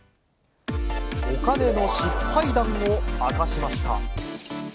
お金の失敗談を明かしました。